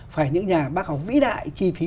phải những nhà bác học vĩ đại chi phí